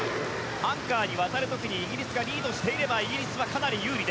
アンカーに渡る時にイギリスがリードしていればイギリスはかなり有利。